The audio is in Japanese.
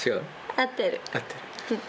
合ってる。